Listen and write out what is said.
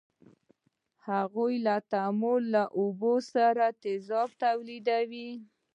د هغو تعامل له اوبو سره تیزاب تولیدوي.